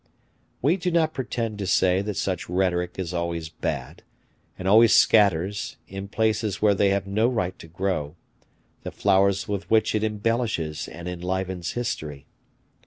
We do not pretend to say that such rhetoric is always bad, and always scatters, in places where they have no right to grow, the flowers with which it embellishes and enlivens history.